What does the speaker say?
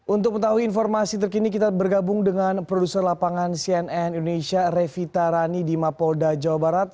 untuk mengetahui informasi terkini kita bergabung dengan produser lapangan cnn indonesia revita rani di mapolda jawa barat